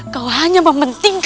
kau hanya mempentingkanmu